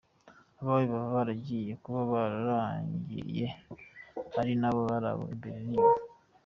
Abawe baba baragiye, baba bararangiye, ari nabo bari abo, imbere n’inyuma !